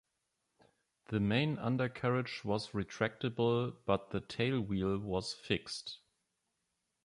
The main undercarriage was retractable but the tailwheel was fixed.